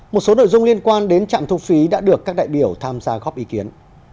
một số nội dung liên quan đến trạm thu phí đã được các đại biểu tham gia góp ý kiến